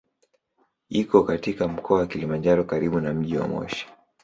Iko katika Mkoa wa Kilimanjaro karibu na mji wa Moshi.